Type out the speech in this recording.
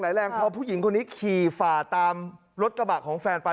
แรงพอผู้หญิงคนนี้ขี่ฝ่าตามรถกระบะของแฟนไป